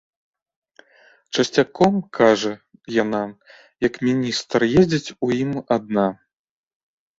Часцяком, кажа, яна, як міністр, ездзіць у ім адна.